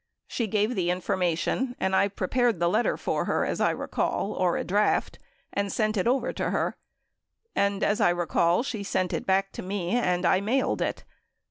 She gave the information and I prepared the letter for her as I recall, or a draft, and sent it over to her. And as I recall, she sent it back to me and I mailed it.